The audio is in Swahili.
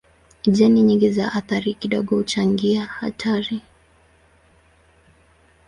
Jeni nyingi za athari kidogo huchangia hatari.